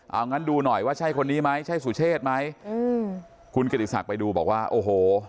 เอางั้นดูหน่อยว่าใช่คนนี้ไหมใช่สุเชษไหมอืมคุณกิติศักดิ์ไปดูบอกว่าโอ้โห